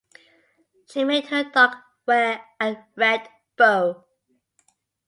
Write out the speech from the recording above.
She made her dog wear a red bow.